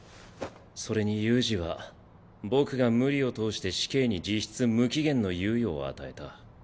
それに悠仁は僕が無理を通して死刑に実質無期限の猶予を与えた。